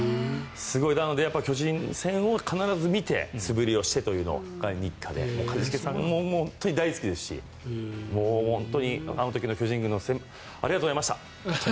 なので、巨人戦を必ず見て素振りをしてというのが日課で一茂さんも本当に大好きですし本当にあの時の巨人軍の先輩方ありがとうございました。